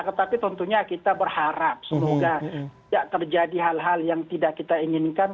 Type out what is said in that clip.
tetapi tentunya kita berharap semoga tidak terjadi hal hal yang tidak kita inginkan